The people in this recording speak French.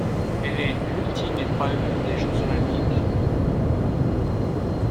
Elle est l'ultime épreuve des Jeux olympiques.